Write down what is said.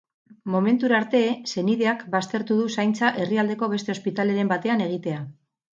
Momentura arte, senideak baztertu du zaintza herrialdeko beste ospitaleren batean egitea.